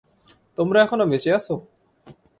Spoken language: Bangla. তোমরা এখনো বেঁচে আছো?